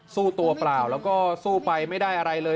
สู้ตัวเปล่าแล้วก็สู้ไปไม่ได้อะไรเลย